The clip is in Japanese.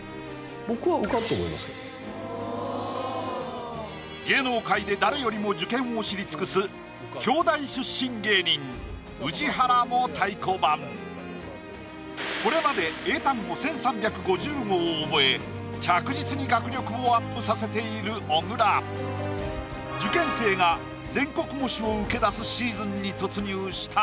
僕は芸能界で誰よりも受験を知り尽くすこれまで英単語１３５０語を覚え着実に学力をアップさせている小倉受験生が全国模試を受けだすシーズンに突入した